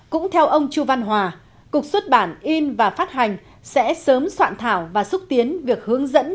cũng theo ông chu văn hòa cục xuất bản in và phát hành sẽ sớm soạn thảo và xúc tiến việc hướng dẫn